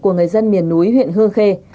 của người dân miền núi huyện hương khê